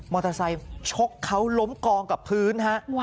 เตอร์ไซค์ชกเขาล้มกองกับพื้นฮะ